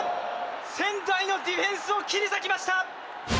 仙台のディフェンスを切り裂きました！